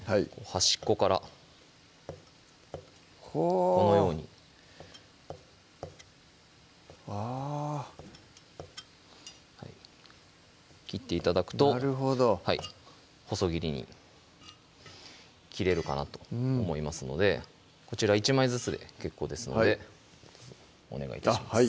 端っこからほうこのようにあぁ切って頂くとなるほど細切りに切れるかなと思いますのでこちら１枚ずつで結構ですのでお願い致します